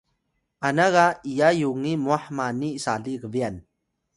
ana ga iya yungi mwah mani sali gbyan